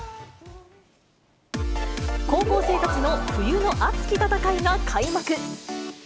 高校生たちの冬の熱き戦いが開幕。